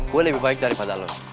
gue lebih baik daripada lo